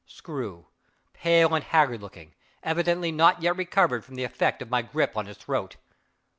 Screw, pale and haggard looking, evidently not yet recovered from the effect of my grip on his throat!